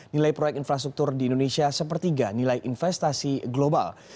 nilai proyek infrastruktur di indonesia sepertiga nilai investasi global